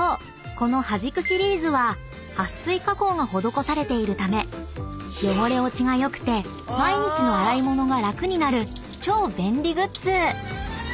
このＨＡＪＩＫＵシリーズは撥水加工が施されているため汚れ落ちが良くて毎日の洗い物が楽になる超便利グッズ］